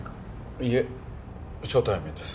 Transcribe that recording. いえ初対面です